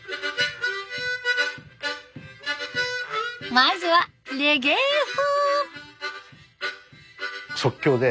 まずはレゲエ風。